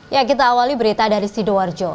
ya kita awali berita dari sidoarjo